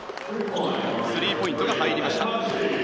スリーポイントが入りました。